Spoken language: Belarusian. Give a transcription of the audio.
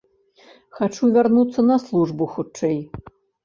Хачу вярнуцца на службу хутчэй.